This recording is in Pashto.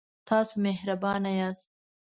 تاسو مهربان یاست